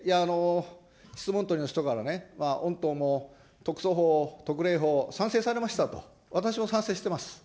の人から、御党も特措法、特例法、賛成されましたと、私も賛成しています。